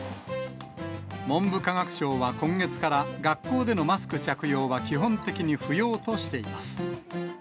文部科学省は今月から、学校でのマスク着用は基本的に不要としています。